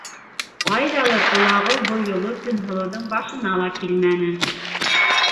Ҡайҙалыр олағыу был юлы Көнһылыуҙың башына ла килмәне.